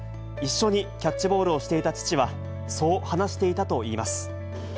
一緒にキャッチボールをしていた父は、そう話していたといいます。